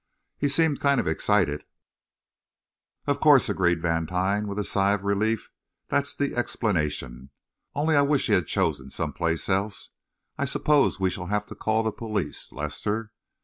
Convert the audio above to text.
He seemed kind of excited." "Of course," agreed Vantine, with a sigh of relief, "that's the explanation. Only I wish he had chosen some place else. I suppose we shall have to call the police, Lester?"